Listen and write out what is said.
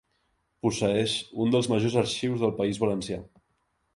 Posseeix un dels majors arxius del País Valencià.